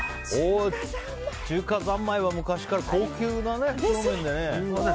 中華三昧は昔から高級な袋麺ですよね。